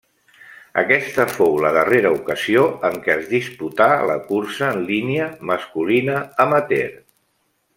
Aquesta fou la darrera ocasió en què es disputà la Cursa en línia masculina amateur.